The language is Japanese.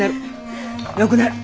よくなる。